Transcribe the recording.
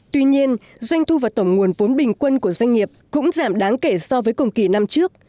tuy nhiên doanh thu và tổng nguồn vốn bình quân của doanh nghiệp cũng giảm đáng kể so với cùng kỳ năm trước